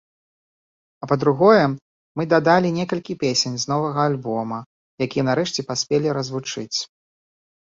А па-другое, мы дадалі некалькі песень з новага альбома, якія нарэшце паспелі развучыць.